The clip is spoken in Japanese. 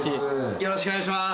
よろしくお願いします。